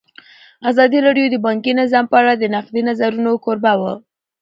ازادي راډیو د بانکي نظام په اړه د نقدي نظرونو کوربه وه.